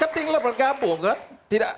ketinggalan bergabung kan